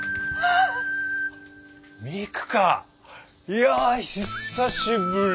いや久しぶり。